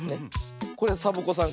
これサボ子さん